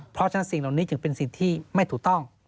เพราะฉะนั้นสิ่งเหล่านี้จึงเป็นสิ่งที่ไม่ถูกต้อง